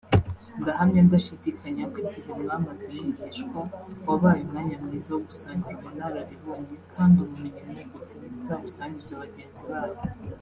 ″Ndahamya ndashidikanya ko igihe mwamaze mwigishwa wabaye umwanya mwiza wo gusangira ubunararibonye; kandi ubumenyi mwungutse muzabusangize bagenzi banyu